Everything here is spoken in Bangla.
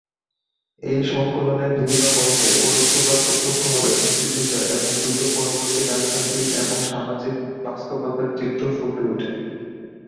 এই সংকলনের বিভিন্ন গল্পে পরোক্ষ বা প্রত্যক্ষভাবে মুক্তিযুদ্ধ এবং যুদ্ধ-পরবর্তী রাজনৈতিক এবং সামাজিক বাস্তবতার চিত্র ফুটে উঠেছে।